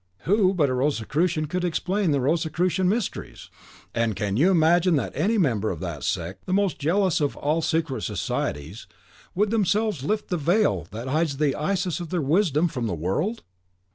"Who but a Rosicrucian could explain the Rosicrucian mysteries! And can you imagine that any members of that sect, the most jealous of all secret societies, would themselves lift the veil that hides the Isis of their wisdom from the world?"